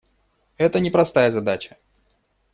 Это непростая задача.